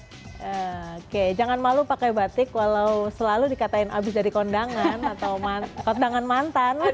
oke jangan malu pakai batik walau selalu dikatakan abis dari kondangan atau kondangan mantan